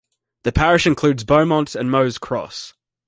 The parish includes Beaumont and Moze Cross.